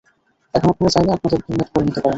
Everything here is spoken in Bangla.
এখন আপনারা চাইলে আপনাদের হেলমেট পরে নিতে পারেন!